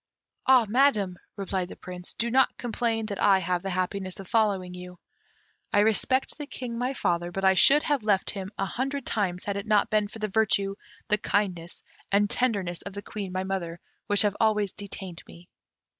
"Ah, Madam," replied the Prince, "do not complain that I have the happiness of following you. I respect the King, my father; but I should have left him a hundred times had it not been for the virtue, the kindness, and tenderness of the Queen, my mother, which have always detained me."